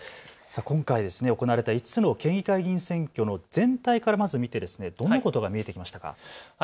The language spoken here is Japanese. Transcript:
今回行われた５つの県議会議員選挙の全体からまず見て、どんなことが見えてきましたか。